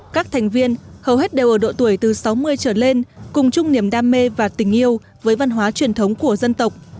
các thành viên hầu hết đều ở độ tuổi từ sáu mươi trở lên cùng chung niềm đam mê và tình yêu với văn hóa truyền thống của dân tộc